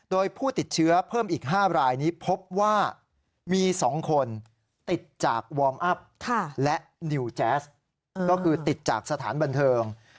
โดยผู้ติดเชื้อเพิ่มอีก๕รายนี้พบว่ามี๒คนติดจากวอร์มอัพและนิวแจ๊สก็คือติดจากสถานบันเทิง